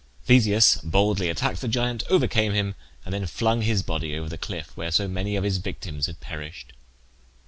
Theseus boldly attacked the giant, overcame him, and then flung his body over the cliff where so many of his victims had perished.